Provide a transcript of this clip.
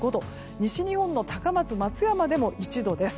西日本の高松、松山でも１度です。